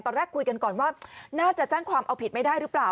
ตอนแรกคุยกันก่อนว่าน่าจะแจ้งความเอาผิดไม่ได้หรือเปล่า